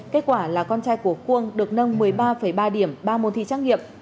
kết quả là con trai của cuông được nâng một mươi ba ba điểm ba môn thi trắc nghiệm